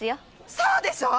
そうでしょう！